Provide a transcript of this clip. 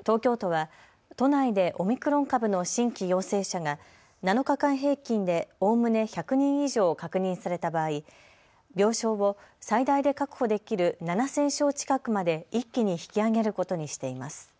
東京都は都内でオミクロン株の新規陽性者が７日間平均でおおむね１００人以上確認された場合、病床を最大で確保できる７０００床近くまで一気に引き上げることにしています。